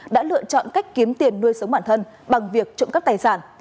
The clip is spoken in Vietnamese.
đã lựa chọn cách kiếm tiền nuôi sống bản thân bằng việc trộm cắp tài sản